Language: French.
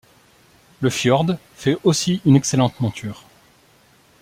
Le Fjord fait aussi une excellente monture.